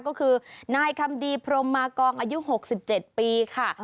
ก็คือนายคำดีพรมมากองอายุ๖๗ปีค่ะ